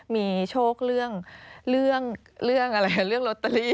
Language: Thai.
มีโชคเรื่องเรื่องอะไรเรื่องโรตเตอรี่